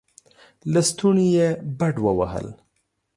لستوڼې يې بډ ووهل.